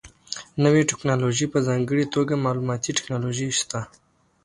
نوې ټکنالوژي په ځانګړې توګه معلوماتي ټکنالوژي شته.